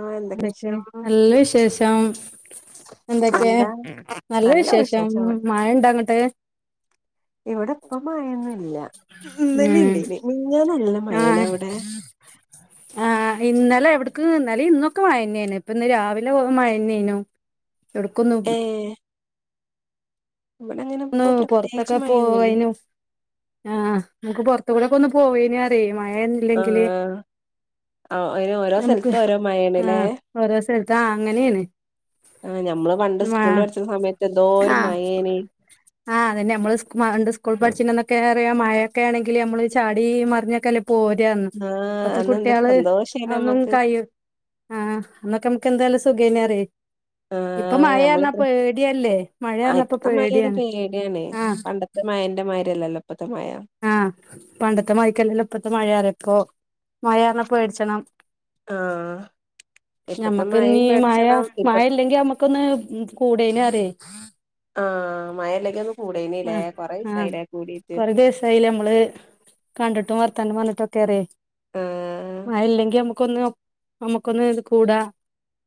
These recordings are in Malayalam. ആഹ് എന്തൊക്കെ വിശേഷം നല്ല വിശേഷം എന്തൊക്കെ എന്താ നല്ല വിശേഷം മഴണ്ട അങ്ങട്ട് ഇവിടെ ഇപ്പ മഴന്നുല്ല ഇന്നല ഉം ഇല്ലേനി മീന്നാന്ന് നല്ല മഴന ആഹ് അവിടെ ആഹ് ഇന്നലെ എവിട്ക്ക് ഇന്നലിം ഇന്നൊക്കെ മഴന്നേന്നു ഇപ്പൊ ഇന്ന് രാവിലെ വെറും മഴനേനു എടുക്കുന്നു ഏഹ് ഇവിടെ അങ്ങനെ ഇപ്പൊ പ്രത്യേകിച്ച് പൊറത്തൊക്കെ മഴയൊന്നുല്ല പോയിനു ആഹ് നമുക്ക് പൊറത്തകൂടെക്കെന്ന് പോയിനുറയ് മഴ ആഹ് ആഹ് അയ്ന് ഓരോ നമുക്ക് സ്ഥലത്ത് ഓരോ മഴണല്ലേ ആഹ് ഓരോ സൽത്ത് ആഹ് അങ്ങനെണ് ആഹ് നമ്മള് പണ്ട് സ്കൂള പഠിച്ചണ സമയത്ത് എന്തോരു മഴന് ആഹ്തന്നെ നമ്മള്ണ്ട് സ്കൂൾ പഠിച്ചിന്നൊക്കെ അറിയ മഴയക്കെ ആണെങ്കിൽ നമ്മള് ചാടി മറിഞ്ഞൊക്ക പൊ പോരന്ന് ആഹ് ഇപ്പത്തെ അന്ന് എന്തൊരു കുട്ടികള് സന്തോഷേനി ഒന്നും നമ്മക്ക് കഴു ആഹ് അന്നൊക്കെ നമുക്ക് എന്തായാലും സുഖേനറെയ് ഇപ്പൊ ആഹ് മഴയർന്നാ ഞമ്മളെത്ര പേടിയല്ലേ ആഹ് മഴർന്ന ഇപ്പോ ഇപ്പത്തെ പേടി മഴേന് പേടിയാണ് പണ്ടത്തെ മാഴന്റെ മാര്യല്ലല്ലോ ഇപ്പത്തെ മഴ ആഹ് പണ്ടത്തെ മാഴക്കല്ലല്ലോ ഇപ്പത്തെ മഴയാറ ഇപ്പ മഴ പറഞ്ഞാ പേടിച്ചണം ആഹ് ഇപ്പത്തെ ഞമ്മക്ക് ഇന്നീ മഴയും മഴ പേടിച്ചണം ഇപ്പ മഴ ഇല്ലെങ്കി നമ്മക്കൊന്ന് കൂടേനുറയ് ആഹ് മഴല്ലങ്കി ഒന്നു കൂടേനില്ലേ കൊറെസായിലെ കൂടീട്ട് കയ്ൽ നമ്മള് കണ്ടിട്ടും വർത്താനും പറഞ്ഞിട്ടു ഒക്കെ അറിയേ ആഹ് മഴ ഇല്ലങ്കിൽ നമുക്ക് ക്കൊന്ന് നമ്മുക്കൊന്ന് ഇത് കൂടാ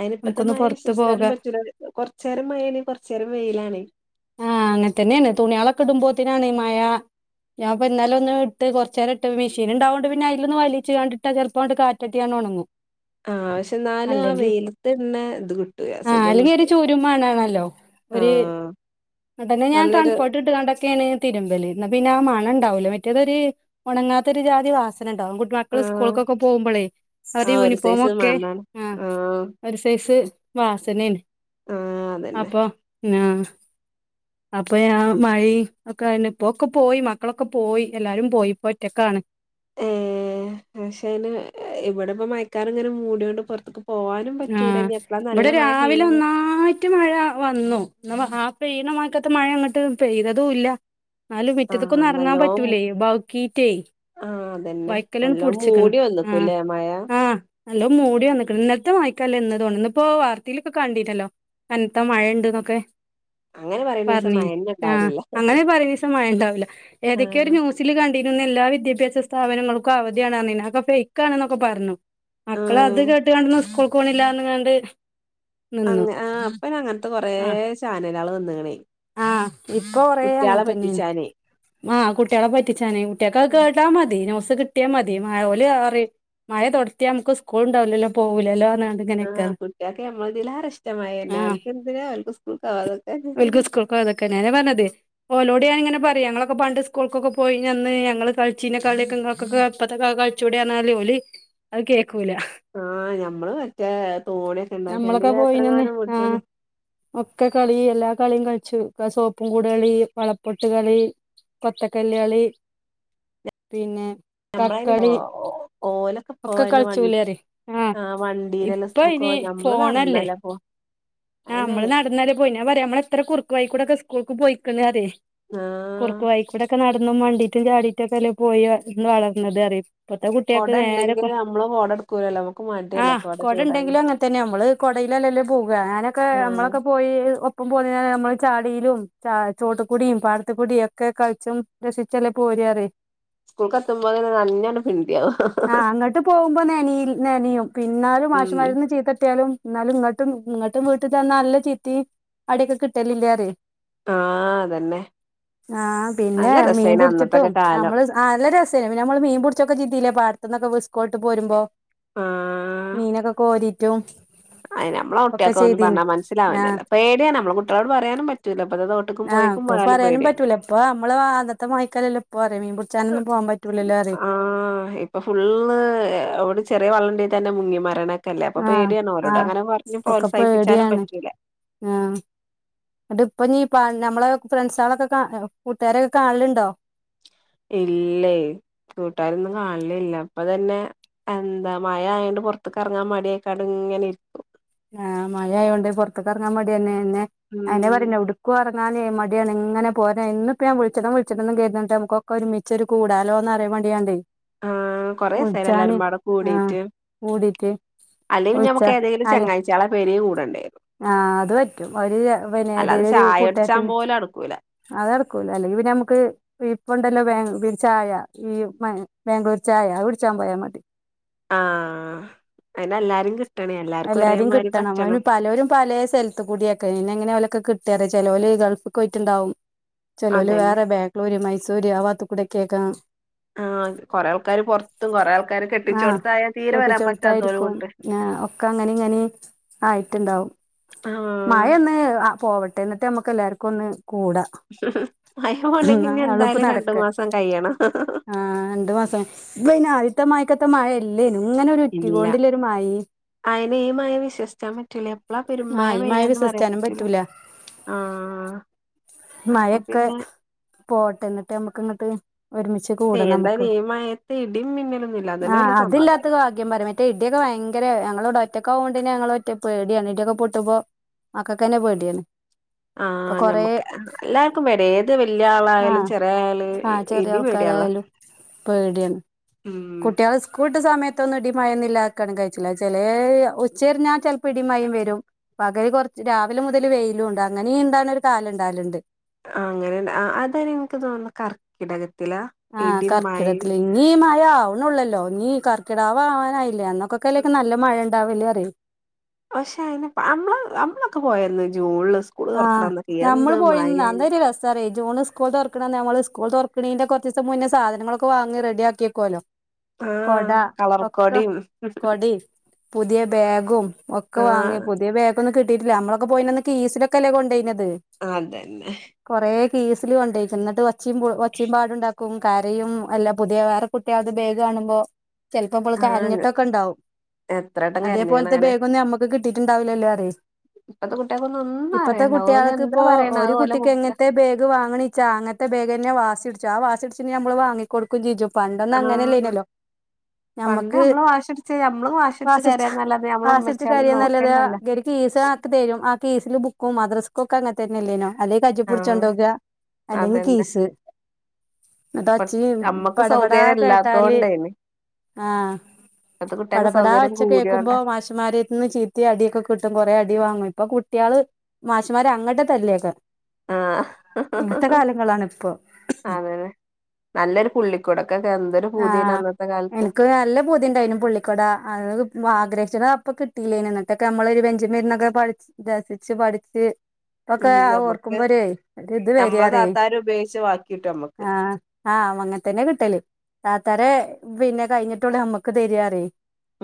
അയ്നിപ്പത്തെ നമുക്കൊന്ന് മഴ പൊറത്ത് വിശ്വസ്ച്ചാനും പോകാ പറ്റൂല കൊറച്ചേരം മഴണെങ്കി കൊറചേരം വെയിലാണെ ആഹ് അങ്ങ തന്നെണ് തുണിയാളൊക്കെടുമ്പോത്തിനാണ് മഴ ഞാൻപ്പന്നലെ ഒന്ന്ട്ട് കൊറചേരട്ട് പൊ മെഷീൻണ്ടാവോണ്ട് പിന്നെ അയ്ലൊന്ന് വലയിച്ച്ങ്ങാണ്ടിട്ടാ ചെലപൊങ്ങട്ട് കാറ്റട്ടിയാണ്ട് ഒണങ്ങും ആ പശെ ന്നാലും ആ അല്ലെങ്കി വെയിലത്ത്ടണെ ഇത് കിട്ടുല ആഹ് സുഖ അല്ലെങ്കി ഒരു ചൂരുംമണാണല്ലോ ഒരു ആഹ് ങ്ങട്ടഞ്ഞെ ഞാൻ നല്ലൊരു കംഫോർട്ട് ഇട്ട്ങ്ങാണ്ടൊക്കേണ് തിരുമ്പല് ന്ന പിന്നെ ആ മണണ്ടാവൂല മറ്റേതൊര് ഒണങ്ങാത്തൊര് ജാതി വാസനണ്ടാവും മക്കള് ആഹ് സ്കൂൾക്കൊക്കെ പോകുമ്പോളേ ആ അവര് ഒരു സൈസ് യൂണിഫോമൊക്കെ മണാണ് ആ ആഹ് ഒരു സൈസ് വാസനേണ് ആഹ് അതന്നെ അപ്പൊ ഞാ അപ്പൊയാൻ മഴീമ് ഒക്കെ അതന്നെ ഇപ്പൊക്കെ പോയി മക്കളൊക്കെ പോയി എല്ലാരും പോയിപ്പോ ഒറ്റക്കാണ് ഏ പഷെയ്ന് ഇവിടെ ഇപ്പ മയക്കാർ ഇങ്ങനെ മൂടിയോണ്ട് പുറത്തക്ക് ആഹ് ഇവിടെ രാവിലെ പെയ്യാന്ന് ഒന്നായ് റ്റ് മഴ വന്നു ന്ന ആ പെയ്യ്ണമയക്കത്ത മഴങ്ങട്ട് പെയ്തതുല്ല ന്നാലും ആഹ് മിറ്റത്തക്കൊന്നറങ്ങാൻ നല്ലോം പറ്റൂലേ ബൗക്കീറ്റേ ആഹ് അതന്നെ ബൈക്കലണ് നല്ല പുടിച്ചിക്കണ് മൂടി ആഹ് വന്നക്കൂല്ലേ മഴ ആഹ് നല്ലോ മൂടി വന്നക്കണ് ഇന്നത്തെ മയക്കല്ല ഇന്ന്തോണ് ഇന്ന് ഇപ്പോ വാർത്തയിലൊക്കെ കണ്ടിണല്ലോ കൻത്ത മഴണ്ട്ന്നൊക്കെ അങ്ങനെ പറയണീസം പറഞ്ഞീ മഴന്നെ ആ ഇണ്ടാവലില്ല അങ്ങനെ പറയണീസം മഴണ്ടാവില്ല ഏതൊക്കെയ ഒരു ആഹ് ന്യു സില് കണ്ടിനു ഇന്നെല്ലാ വിദ്യാഭ്യാസ സ്ഥാപനങ്ങൾക്കും അവധിയണർഞീന്നു അതൊക്കെ ഫേക്ക് ആണെന്നൊക്കെ പറഞ്ഞു മക്കള് ആഹ് അത് കേട്ട് കാണ്ട് ഇന്ന് സ്കൂൾക്ക് പോണില്ലന്നകാണ്ട് അങ്ങ ആ അപ്പൻ അങ്ങൻത്തെ കൊറേ ചാനലാള് വന്ന്ണ് ആഹ് ഇപ്പൊ കൊറേ അങ്ങൻത്തന്നെണ് ആകുട്ട്യേളെ പറ്റിച്ചാന കുട്ടികത് കേട്ടാമതി ന്യൂസ് കിട്ടിയാമതി മഴ ഓല് പറി മഴ തൊട്തിയാൽ നമുക്ക് സ്കൂള്ണ്ടാവുലല്ലോ പോകില്ലല്ലോന്ന് ആകുട്ട്യേക്കെ നമ്മതിലാര ഇഷ്ട മഴയെന്നെ ആഹ് ഓൽക്കെന്തിനാ ഓൽക്ക് സ്കൂൾക്കാവാതെ ഓൽക്ക് സ്കൂൾക്കോവാത നിക്കാന് അന്നെപർഞ്ഞത് ഓലോടെ ഞാനിങ്ങനെ പറയും ഞങ്ങളൊക്കെ പണ്ട് സ്കൂൾക്കൊക്കെ പോയിന്ന് ഞങ്ങള് കളിച്ചീനെ കളിയൊക്കെ ഇങ്ങക്കൊക്കെ ഇപ്പത്തെ കാല കൾ ച്ചൂടെർഞാല് ഓല് അത്കേക്കൂല ആഞമ്മള് മറ്റേ തോണിയൊക്കെ ഇണ്ടാക്കിയണ്ട് ഞമ്മളൊക്കെ എത്ര പോയിനന്ന് കാനം ആഹ് വിട്ടീനെ ഒക്കെ കളി എല്ലാ കളിയും കളിച്ചു സോപ്പുംകൂടളി വളപ്പൊട്ട്കളി കൊത്തക്കല്ല് കളി പിന്നെ ഞമ്മളയ്ന് ഓ കക്കളി ഓ- ഓലൊക്കെ ഇപ്പൊ ഒക്കെ അയ്ന് വ കളിച്ചുലറി ആ ആഹ് വണ്ടീലല്ലേ ഇപ്പൊയ്നി സ്കൂൾക്കോവല് ഞമ്മള് ഫോണല്ലേ നടന്നല്ലേ പോവാ നമ്മള് അയെന്നേണ് നടന്നരും ഞാ പറയാ നമ്മള് എത്ര കുറുക്ക് വഴികുടൊക്കെ സ്കൂൾക്ക് പോയിക്ക്ണ്റി ആഹ് കുറുക്ക് വഴിക്കൂടെ ഒക്കെ നടന്നും വണ്ടീട്ടും ചാടിട്ടുംഒക്കെല്ല പോയി വളർന്നത് അറിയ ഇപ്പത്തെ കൊട കുട്ട്യേക്ക് നേരെപ്പൊ ഇണ്ടെങ്കില് നമ്മള് കൊട ഇട്ക്കൂലല്ലോ നമുക്ക് ആ മടിയല്ലേ കൊട ചൂടാന് കൊടണ്ടെങ്കിലും അങ്ങൻതന്നെ നമ്മള് കൊടയിലല്ലല്ലേ പോക ഞാനൊക്കെ ആഹ് നമ്മളൊക്കെ പോയി ഇപ്പം പോന്നിനി നമ്മള് ചാളീലും ച ചോട്ടക്കുടിയും പാടത്തക്കുടിയും ഒക്കെ കളിച്ചും രസിച്ചല്ലേ പോരറ് സ്കൂൾക്ക് എത്തുമ്പോങ്ങനെ നനഞ്ഞു പിണ്ടിയാവും ട്ട് പോകുമ്പോ നനയും നനയും പിന്നാലും ഉം മാഷുമാരിന്ന് ചീത്തട്ടിയാലും എന്നാലും ഇങ്ങട്ടും ഇങ്ങട്ടും വീട്ടിചെന്ന നല്ലചീത്തി അടിയൊക്കെ കിട്ടലില്ലേ അറേ ആഹ് അതന്നെ ആഹ് പിന്നെ നല്ല മീൻ രസേനു അന്നത്തൊക്കെ പിടിച്ചിട്ടും കാലം നമ്മള് ആ നല്ല രസായിനി പിന്നെനമ്മള് മീൻ പുടിച്ചക്കെ ചിതില്ല പാടത്തന്നൊക്കെ വിസ്കോട്ട് പോരുമ്പോ മീനൊക്കെ കോരി അത് നമ്മെ കുട്ട്യേക്കൊന്ന് ചെയ്തീന് പറഞ്ഞാ ആഹ് മനസിലാവാനല്ല പേടിയാ നമ്മ കുട്ട്യളോട് പറാനും പറ്റൂല അപ്പ ആ ഇപ്പ പറയാനുംപറ്റൂല ഇപ്പൊ നമള് ആദ്യത്തെ മായിക്കല്ലല്ലോ ഇപ്പൊറി മീൻപുച്ചാനൊന്നും പോവാൻ പറ്റൂല്ലല്ലോറി ആഹ് ഇപ്പൊ ഫുള്ളൂ ഒവിടിം ചെറിയ വള്ളണ്ടെതന്നെ മുങ്ങിമരണെ ക്കെല്ലെ അപ്പൊ ആഹ് പേടിയാണ് ഒരോട് ആഹ് അങ്ങനെ പർഞ്ഞ് ഇപ്പൊക്കെ പ്രോത്സാഹിപ്പിക്കാനും പേടിയാണ് പറ്റൂല ആഹ് ന്നിട്ട്പ്പൊഞീ പ നമ്മള് ഫ്രണ്ട്സ്ളൊക്കെ കാ കൂട്ടാരൊക്കെ കാണലുണ്ടോ ഇല്ലേ കൂട്ടാരൊന്നും കാണലില്ല ഇപ്പൊ തന്നെ എന്താ മഴ ആയൊണ്ട് പോറത്ത്ക്ക് എറങ്ങാൻ മടിയായിക്കാണ്ട് ഇങ്ങനെ ഇരിക്കും ആഹ് മഴയൊണ്ട് പോറത്ത്ക്ക് എറങ്ങാ മാടിയെന്നെന്നെ അതെന്നെ ഉം പറിണെ ഒട്ക്കുറ് ങ്ങാനെ മട്യാണ് ഇങ്ങനെ പോരാൻ ഇന്ന്പ്പോ ഞാൻ വിളിച്ചണം വിളിച്ചണന്ന് കര്തുട്ടൊ നമുക്കൊക്കെ ഒര്മിച്ചോര് കൂടാലോന്ന് അറിയാ മാണ്ടിക്കാണ്ടെ ആഹ് കൊറേ ദിവസായില്ലേ വുള്ച്ചാന് എല്ലാരുംപാടെ ആഹ് കൂടിയിട്ട് കൂടീട്ട് അല്ലെങ്കി ഞമ്മക്ക് വിളിച്ചാ ഏതെങ്കിലും അല്ല ചങ്ങായിച്ച്യേളെ പേരേ കൂടെണ്ട്യരും ആഹ് അത് പറ്റും ഒരു പിന്നെ അല്ലാതെ ഏതെലും ഒരു ചായുടിച്ചാൻ കൂട്ടാരത്തിന്റെ പോലും നടക്കൂല അത് നടക്കൊള്ളൂ അല്ലെങ്കി പിന്നെ നമക്ക് ഇപ്പൊണ്ടല്ലോ ബാ ചായ ഈ ബെ ബംഗളൂർ ചായ അത് കുടിച്ചാൻ പോയാ മതി ആഹ് അയിനെല്ലാരിം കി എല്ലാരിം കിട്ടണം അതിനു പലൊരും പലേ സ്ഥല ത്ത്ക്കൂട്യാക്കാരം പിന്നെങ്ങനെ ഓലൊക്കെ കിട്ടെറ്യോ ചെലോല് ഗൾഫ്ക്കൊയിട്ട്ണ്ടാവും ചേലോല് അതന്നെ വേറെ ബാ ഗ്ലൂര് മൈസൂര് ആ വാത്ത്ക്കൂടെക്കെക്കാ ആഹ് കൊറെ ആള്ക്കാര് പൊറത്തും കൊറെ ആൾക്കാര് ആഹ് കെട്ടിച്ചോട്ത്തായാ തീരെ വരാൻ പറ്റാത്തോരും കെട്ടിച്ചോട്ത്തായിരിക്കും ഉണ്ട് ആഹ് ഒക്കെ അങ്ങനെ ഇങ്ങനിം ആയിട്ട്ണ്ടാവും മഴയെ ആഹ് [unintelligible] പോവട്ടെ ഇന്നെട്ട് നമ്മുക്ക് എല്ലാർക്കൊന്ന് കൂടാ [unintelligible] പോണെങ്കി ഇഞ്ഞ് അതൊള്ളൂ ഇപ്പൊ എന്തായാലും നടക്ക രണ്ട്മാസം കയ്യെണം. ആഹ് രണ്ടു മാസം ഇപ്പയ്ന് ആദ്യത്തെ മായിക്കത്തെ മഴയല്ലേനു ഇങ്ങനെ ഒരു ഉറ്റികൊണ്ട്ല്ലോര് മയിം. അയ്ന് ഈ മഴ വിശ്വസിച്ചാൻ പറ്റൂല എപ്പളാ പെരുമഴ ആഹ് ഈ മഴ പെയ്യാന്ന് പറയാൻ വിശ്വസിച്ചാനും പറ്റൂല. ആഹ് അപ്പൊ മഴൊക്കെ പിന്നെ പോട്ടെ ഇന്നെട്ട് ഞമ്മക്ക് ഇങ്ങട്ട് ഒരുമിച്ച് ഏ കൂടണം നമുക്ക് എന്തായാലും ഈ മഴയത്ത് ഇടിം മിന്നലൊന്നുല്ലാ അതെന്നെ വല്ല്യാ സമാധാനം. സത്യം പറ്യാ മറ്റേ ഇടിയൊക്കെ ഭയങ്കര ഞങ്ങള് ഇവടെ ഒറ്റക്കോവോണ്ടെന്നെ ഞങ്ങള് ഒറ്റ പേട്യാണ് ഇടിയൊക്കെ പൊട്ടുമ്പോ മക്കക്കെന്നെ പേട്യാണ്. ആഹ് ഞമ്മക്ക് എല്ലാർക്കും പേട്യാ ഏ ത് വല്ല്യാളായാലും ആഹ് ചെറിയാളെ ഇടി പേടിയാണല്ലോ? പേട്യാണ്‌ ഉം കുട്ട്യേള് സ് ക്കൂള്ട്ട സമയത്തൊന്നും ഇടിം മഴയൊന്നും ഇല്ലാക്കാണെ കഴിച്ചിലായ് ചെലേ ഉച്ചരിഞ്ഞാ ചെല്പ്പോ ഇടിം മയിം വെരും. പകല് കൊറ്ച്ച് രാവിലെ മുതല് വെയിലുണ്ട് അങ്ങനീണ്ടാവ്ണൊരു കാലണ്ടാവല്ണ്ട്. ആഹ് അങ്ങനെണ്ട് അ അതാണ് ഇൻക്ക് തോന്ന്ന്ന കർക്കിടകത്തിലാ ആഹ് ഇടിം മഴയും കർക്കിടത്തില് ഇഞ്ഞീ മഴ ആവ്ണൊള്ളല്ലോ ഇഞ്ഞി കർക്കിടാവ് ആവാനായില്ലേ അന്നൊക്കെ ഇ കൊല്ലൊക്കെ നല്ല മഴ ഇണ്ടാവല്റ്യോ പക്ഷേ അയ്ന് അമ്മള് അമ്മളൊക്കെ പോയന്ന് ജൂണ്‌ല് സ് ആഹ് ഞമ്മള് പോയന്ന് അന്നൊരു രസ് സറ്യോ ജൂണ് സ്കൂള് തൊറക്ക്ണന്ന് നമ്മള് സ്കൂള് തൊർക്ക്‌ണീന്റെ കൊറ്ച്ചീസം മുന്നേ സാധനങ്ങളൊക്ക വാങ്ങി റെഡിക്കിയാക്കിക്കോലോ? ആഹ് കൊടാ ഒക്ക കളർക്കോടിം കൊടിം. പുത്യേ ബേഗും ഒക്കെ വാങ്ങി ആഹ് പുത്യേ ബേഗൊന്നും കിട്ടീട്ടില്ല അമ്മളൊക്കെ പോയിനന്ന് കീസില ക്കല്ലേ കൊണ്ടോയിനെത് അതെന്നെ കൊറേ കീസില് കൊണ്ടോയ്ക്ക്ണ് ഇന്നട്ട് ഒച്ചിം ഒച്ചിം പാടുണ്ടാക്കും. കരയും അല്ല പുത്യാ വേറെ കുട്ട്യേളത് ബേഗ് കാണുമ്പോ ചെല്പ്പോ നമ്മള് ആഹ് കരഞ്ഞിട്ടൊക്കെ ഇണ്ടാവും എത്രട്ടം കരഞ്ഞിക്ക്ണ് അതേപോലത്തെ അങ്ങനെ ബേഗൊന്നും നമ്മ ക്ക്‌ കിട്ടീട്ട്ണ്ടാവൂലല്ലോറ്യേ ഇപ്പത്തെ കുട്ട്യേക്കൊന്നൊന്ന് ഇപ്പത്തെ കുട്ട്യേള്ക്ക് ഇപ്പോ ഒരു കുട്ടിക്ക് മുമ്പിലാ എങ്ങനെത്തെ ബേഗ് വാങ്ങണീച്ചാ അങ്ങ ത്തെ ബേഗെന്നെ വാസിയുടിച്ചു ആ വാസിയുടിച്ച്ണീന് നമ്മള് വങ്ങി കൊടുക്കും ചെജ്ജും പണ്ടൊന്നും ആഹ് അങ്ങനെല്ല്യേനല്ലോ പണ്ട് ഞമ്മക്ക് നമ്മള് വാശിടിച്ച് നമ്മള് വാശിടിച്ച് വാസിയുട്ച്ച് കരയാന്നല്ലാതെ നമ്മളെ വാസിയുടിച്ച് ഉമ്മച്ചിയാള് കരയാന്നല്ലാതെ നോക്കന്നല്ല കീസിലാക്കി തെരും ആ കീസില് ബുക്കും മദ്രസ്ക്കൊക്കെ അങ്ങനെ തന്നെല്ലേന്യോ? അല്ലേ കജ്ജ് ആഹ് പുടിച്ച്ണ്ടോകാ അല്ലെങ്കി അതന്നെ കീസ് [inaudible] ഇപ്പ ന്ന്ട്ടൊച്ചിം അമ്മക്ക് പട പട സൗകര്യം കേട്ടാല് ഇല്ലാത്തോണ്ടേനി ആ ഇപ്പത്തെ പട കുട്ട്യാക്ക് പട സൗകര്യം ഒച്ച കൂടിയോണ്ട കേക്കുമ്പോ മാഷ്മാര് ന്ന് ചീത്തി അടിയൊക്കെ കിട്ടും കൊറെ അടി വാങ്ങും ഇപ്പൊ കുട്ട്യാള് മാഷ്മാരെ അങ്ങട്ട് തല്ലേക്കാരം ആഹ് അങ്ങൻത്തെ കാലങ്ങളാണ് പ്പോ അതന്നെ നല്ലൊരു പുള്ളിക്കൊടക്കൊക്കെ എന്തൊരു പൂതിയ്ന് അന്നത്തെ കാൽ എൻക്കൊക്കെ നല്ല പൂതി തിണ്ടായ്നു പുള്ളിക്കൊട അത് ആഗ്രഹിച്ചത് അപ്പൊകിട്ടില്ലേയ്നി ന്ന്ട്ടൊക്കെ ഞമ്മളൊര് ബെഞ്ച്മ്മെര്ന്നൊക്കെ പടിച്ച് രസിച്ച് പഠിച്ച് ഇപ്പൊക്ക ഉം അത് ഞമ്മക്ക് ഓർക്കുമ്പോര് ഒര് ഇത് നമ്മളെ വെരാറിയെ താത്താര് ഉപയോഗിച്ച് ബാക്കിട്ടും നമ്മക്ക് ആ ആ അങ്ങൻത്തെന്നെ കിട്ടല് താത്താരെ പിന്നെ കയ്ഞ്ഞിട്ടൊള്ളൂ ഞമ്മക്ക് തെരാറിയും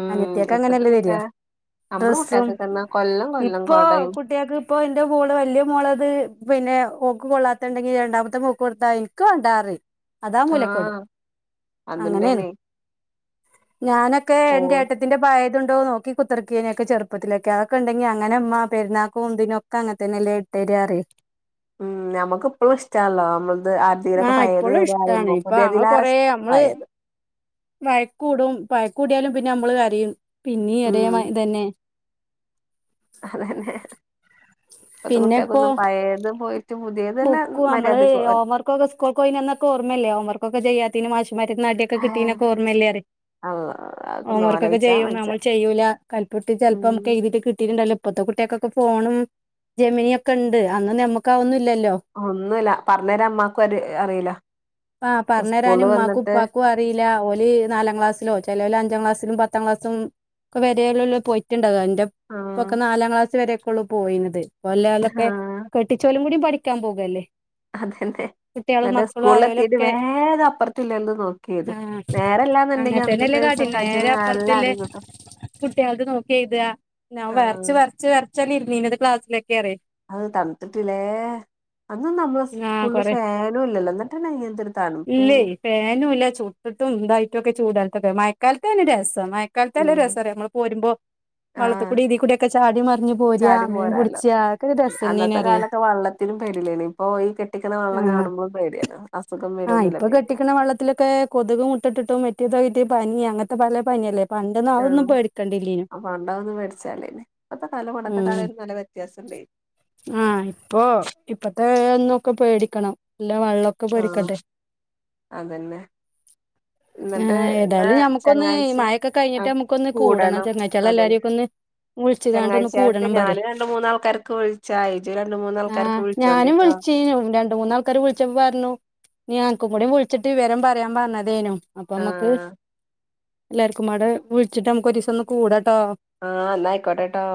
ഉം അനിയത്യാക്ക് ഇപ്പത്തെ അങ്ങനല്ലെ കുട്ട്യാ തെരാ നമ്മളെ ഡ്രസ്സും കുട്ട്യാക്കൊക്കെന്നാ കൊല്ലം കൊല്ലം പ്പോ കൊടയും കുട്ട്യാക്ക് പ്പൊ ഇന്റെ മോള് വെല്ല്യ മോളത് പിന്നെ ഓക്ക് കൊള്ളാത്തെണ്ടെങ്കി രണ്ടാമത്തെ മോക്ക് കൊടുത്താ ഇൻക്ക് വാണ്ടാറിം അതാ മൂലെക്കെടും ആഹ് അങ്ങനെണ് അതന്നെണേ ഞാനൊക്കെ ഓൽ ഇന്റെട്ട ത്തിന്റെ പയേത്ണ്ടൊ നോക്കി കുത്തിർക്കേന് ചെർപ്പത്തിലൊക്കെ അതൊക്കെണ്ടെങ്കി ഞ അങ്ങനെ മ്മ പെരുന്നാക്കൂ തിനൊക്കെ അങ്ങൻത്തെന്നല്ലേ ഇട്ടെരാ ർയും ഉം നമക്ക് പ്പളും ഇഷ്ടാൾലോ നമ്മ ത് ആര്തേലൊക്കെ ആഹ് പയേത് ഇപ്പോഴും ഇഷ്ടാണ് തെരാർയുമ്പോ ഇപ്പൊ ഞങ്ങൾ കൊറേ പുത്യേതിലേറഷ്ടാ നമ്മള് പയേത് വഴക്കൂടും വഴക്കൂട്യയാലും പിന്നെ നമ്മള് കരയും പിന്നീ അതേ ഉം മ തെന്നെ അതെന്നെ ഇപ്പത്തെ പിന്നെ ഇപ്പോ കുട്ട്യാക്കൊന്നും പയേത് പോയി റ്റ് പുത്യേതെന്നെ മര്യാദക്ക് ക്ക്ക്കൊക്കെ സ്കൂൾക്ക് പോയിനന്നൊക്കെ ഓർമ്മല്ലേ ഹോംവർക്കൊക്കെ ചെയ്യാത്തേന് മാശുമാരെട്ത്ത്ന്ന് അടിയൊക്കെ ഹായ് കിട്ടീനൊക്ക ഓർമ്മല്ലേ ർയും [unintelligible] ഹോംവർക്കൊക്കെ ആലോയിച്ചാ ചെയ്യുമ്പോ വജ്ജ ഞമ്മള് ചെയ്യൂല്ല [unintelligible] ചെൽപ്പോ ഉം ഞമ്മക്കെയ്തീട്ട് കിട്ടിട്ട്ണ്ടാവൂല ഇപ്പത്തെ കുട്ട്യാക്കൊക്കെ ഫോണും ജെമിനിയൊക്കെണ്ട് അന്നൊന്നും ഞമ്മക്കതൊന്നുല്ലല്ലോ ഒന്നുല്ല പർഞ്ഞെരാൻ മ്മാക്കൊര് അറില്ല സ്കൂള് വന്ന്ട്ട് ക്കു അറില്ല ഓല് നാലാം ക്ലാസ്സിലോ ചെലോല് അഞ്ചാം ക്ലാസിലും പത്താം ക്ലാസും ക്കെ വെരെലൊള്ളു പോയിറ്റ്ണ്ടാവാൻ ന്റെ ആഹ് പ്പൊക്കെ നാലാം ക്ലാസ് വെരൊക്കൊള്ളു പോയിനത് പ്പല്ലോലൊക്കെ ആഹ് കെട്ടിച്ചോലും കൂടി പഠിക്ക ക്കാൻ പോകല്ലേ അതെന്നെ കുട്ടികളും ന്ന്ട്ട് മക്കളും സ്കൂൾലെത്തിട്ട് ആയോലൊക്കെ വേകപ്പർത്ത്ല്ലോൽത് ആ നോക്ക്യേയ്തും നേരെല്ലാന്ന്ണ്ടെങ്കി അങ്ങനത്തന്നെല്ലേ അന്നത്തൊരുസ് സം കജ്ജ്‌നോ കാൽനോ അടി കിട്ടും കുട്ട്യാള്ത് നോക്യെയ്താ ഞാൻ വരച്ച് ആഹ് വരച്ച് വര്ച്ചല്ലേ ഇര്ന്നീന്നത് ക്ലാസ്സിലൊക്കെ ർയും അത് തൺത്ത്ട്ട്ലെ അന്നൊന്നും നമ്മളെ ആ സ്കൂളില് കൊറെ ഫാനും ഇല്ലല്ലോ ന്ന്ട്ടെന്നെ എന്തൊരു തണ്പ്പേനു ഫേനും ല്ല ചുട്ട്ട്ടും ഇതായിട്ടൊക്കെ ചൂടാൽത്തൊക്കെ മയക്കാൽത്തേനു രസം മയ ക്കാൽത്ത് നല്ല ഉം രസാ റിയ നമ്മള് പോരുമ്പോ ആഹ് വെള്ളത്ത്ക്കൂടി ഇതി കൂടി ഒക്കെ ചാടി മർഞ് പോരാ ചാടി മീൻ പോരാലോ പുട്ച്ചാ അതൊക്കൊരു രസന്നെന് ർയെ ത്തിനും പേടില്ലേന് ഇപ്പൊ ഈ കെട്ടിക്ക്ണ വെള്ളം ആഹ് കാണുമ്പളും പേടിയാണ് അസുഖം വെരോന്ന് ള്ള പേട്യ വെള്ളത്തിലൊക്കെ കൊതുക് മുട്ടട്ട്ട്ടും മറ്റേ താക്കിട്ട് പനി അങ്ങൻത്തെ പലെ പനിയല്ലേ പണ്ടൊന്നും അതൊന്നും പേടിക്കണ്ടില്ലേനു ആ പണ്ട് അതൊന്നും പേട്ച്ചാല്ലേന് ഇപ്പത്തെ കാലം പണ്ടത്തെ കാലായിട്ട് നല്ല വ്യത്യാസണ്ടേ ആ ഇപ്പൊ ഇപ്പത്തെ ന്നൊക്കെ പേടിക്കണം ല്ല വള്ളം ആ അതെന്നെ ന്ന്ട്ട് ആഹ് ന്നാ ഏതായാലും ഞമ്മുക്കൊന്ന് ചങ്ങായ്ച്ച മഴൊക്കെ കഴിഞ്ഞിട്ട് ആ നമുക്കൊന്ന് കൂടണം ചങ്ങാഴ്ചികളെ അതന് എല്ലാരെയൊക്കെ ഒന്ന് വിളിച്ചുകാണ്ട് ഒന്ന് ചെങ്ങായ്ച്യാൾക്ക് കൂടണം പറയ് ഞാനും രണ്ട് മൂന്നാൾക്കാർക്ക് വിൾച്ചാ ഇജ്ജ്‌ രണ്ട് മൂന്ന് ആഹ് ഞാനും വിളിചീനു രണ്ട് മൂന്നാൾക്കാര് വിളിച്ചപ്പോ പറഞ്ഞു നീ അൻക്കും കൂടി വിളിച്ച്ട്ട് വിവരം പറയാൻ പറഞ്ഞതേനു അപ്പൊ നമ്മക്ക് ആഹ് എല്ലാർക്കും അവിടെ വിളിച്ചിട്ട് നമ്മുക്ക് ഒരു ദിവസം ഒന്ന് കൂടാട്ടോ ആഹ് എന്നയിക്കോട്ടെട്ടോ